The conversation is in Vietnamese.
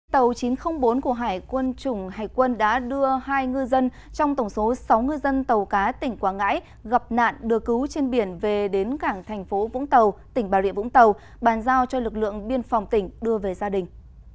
tàu chín trăm linh bốn của hải quân chủng hải quân đã đưa hai ngư dân trong tổng số sáu ngư dân tàu cá tỉnh quảng ngãi gặp nạn đưa cứu trên biển về đến cảng thành phố vũng tàu tỉnh bà rịa vũng tàu bàn giao cho lực lượng biên phòng tỉnh đưa về gia đình